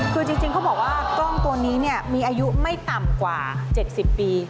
คือจริงเขาบอกว่ากล้องตัวนี้มีอายุไม่ต่ำกว่า๗๐ปี